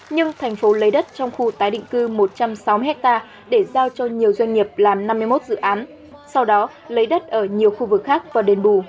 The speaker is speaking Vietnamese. nhưng thành phố lấy đất trong khu tái định cư một trăm sáu mươi hectare để giao cho nhiều doanh nghiệp làm năm mươi một dự án sau đó lấy đất ở nhiều khu vực khác và đền bù